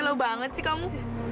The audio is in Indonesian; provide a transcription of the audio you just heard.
nelo banget sih kamu